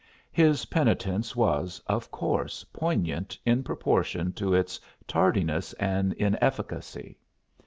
His penitence was of course poignant in proportion to its tardiness and inefficacy.